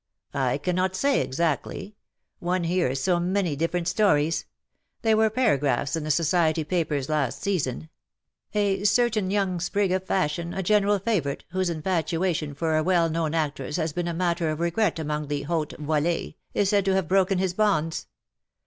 " I cannot say exactly : one hears so many dif ferent stories ; there were paragraphs in the Society papers last season : ^A certain young sprig of fashion, a general favourite, whose infatuation for a well known actress has been a matter of regret among the haute volee, is said to have broken his bonds.